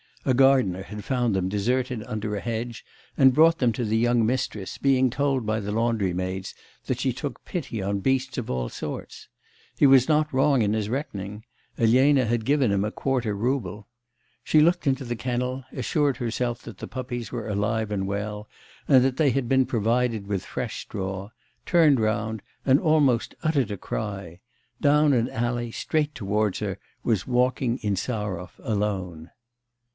(A gardener had found them deserted under a hedge, and brought them to the young mistress, being told by the laundry maids that she took pity on beasts of all sorts. He was not wrong in his reckoning. Elena had given him a quarter rouble.) She looked into the kennel, assured herself that the puppies were alive and well, and that they had been provided with fresh straw, turned round, and almost uttered a cry; down an alley straight towards her was walking Insarov, alone.